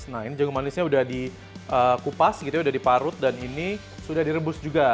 nah ini jagung manisnya udah dikupas gitu ya udah diparut dan ini sudah direbus juga